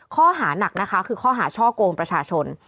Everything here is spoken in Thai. ข้อหานักนะคะคือข้อหาช่อกงประชาชน